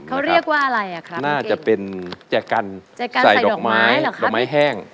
เขาเรียกว่าอะไรอ่ะครับน่าจะเป็นแจกันใส่ดอกไม้แห้ง